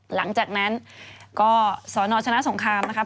หลังจากนั้นก็สนชนะสงครามนะครับ